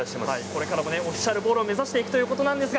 これからもオフィシャルボールを目指していくということです。